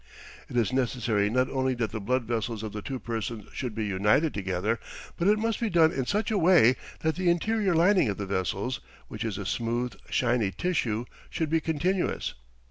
It is necessary not only that the blood vessels of the two persons should be united together, but it must be done in such a way that the interior lining of the vessels, which is a smooth, shiny tissue, should be continuous.